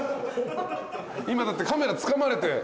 今だってカメラつかまれて。